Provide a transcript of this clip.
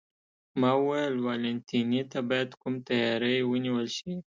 ما وویل: والنتیني ته باید کوم تیاری ونیول شي؟